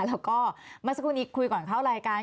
แล้วก็เมื่อสักครู่นี้คุยก่อนเข้ารายการ